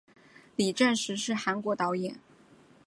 李振石是韩国导演。